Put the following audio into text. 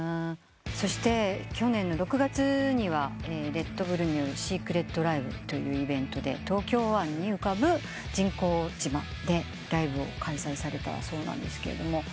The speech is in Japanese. そして去年の６月にはレッドブルによるシークレットライブというイベントで東京湾に浮かぶ人工島でライブを開催されたそうですが。